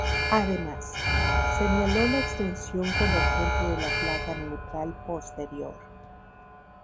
Además, señaló la extensión convergente de la placa neural posterior.